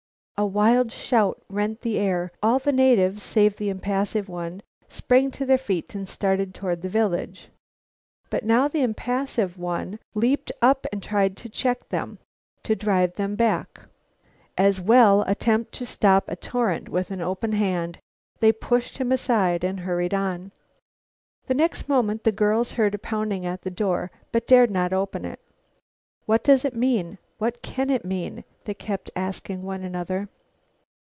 A wild shout rent the air. All the natives, save the impassive one, sprang to their feet and started toward their village. But now the impassive one leaped up and tried to check them, to drive them back. As well attempt to stop a torrent with the open hand. They pushed him aside and hurried on. The next moment the girls heard a pounding at the door, but dared not open it. "What does it mean? What can it mean?" They kept asking one another.